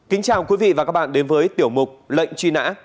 kính chào quý vị và các bạn đến với tiểu mục lệnh truy nã